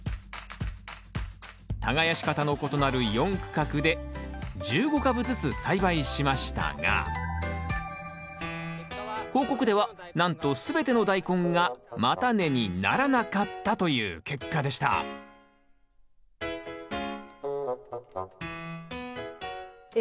耕し方の異なる４区画で１５株ずつ栽培しましたが報告ではなんとすべてのダイコンが叉根にならなかったという結果でしたえ